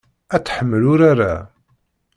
Ad tḥemmel urar-a.